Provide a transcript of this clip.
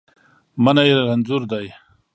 منی رنځور دی